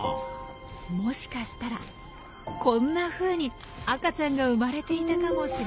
もしかしたらこんなふうに赤ちゃんが生まれていたかもしれません。